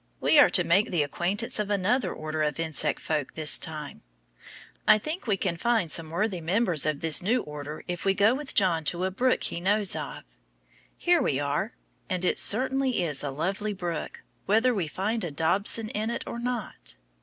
We are to make the acquaintance of another order of insect folk this time. I think we can find some worthy members of this new order if we go with John to a brook he knows of. Here we are, and it certainly is a lovely brook, whether we find a dobson in it or not.